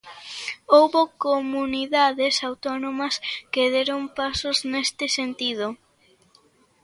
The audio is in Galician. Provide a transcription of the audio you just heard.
Houbo comunidades autónomas que deron pasos neste sentido.